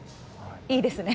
いいですね。